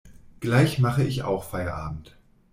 Gleich mache ich auch Feierabend.